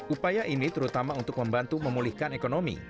upaya ini terutama untuk membantu memulihkan ekonomi